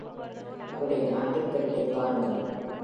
அவருடைய நாட்டுப்பற்றைப் பாருங்கள்!